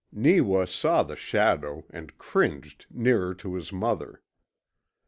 Neewa saw the shadow, and cringed nearer to his mother.